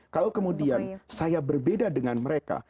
kalau kemudian saya berbeda dengan mereka